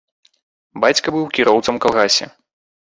Бацька быў кіроўцам у калгасе.